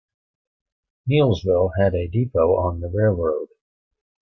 Nielsville had a depot on the railroad.